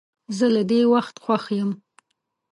زه له دې وخت خوښ یم.